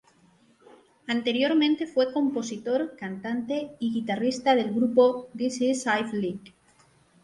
Anteriormente fue compositor, cantante y guitarrista del grupo "This Is Ivy League".